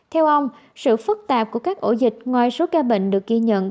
theo ông sự phức tạp của các ổ dịch ngoài số ca bệnh được ghi nhận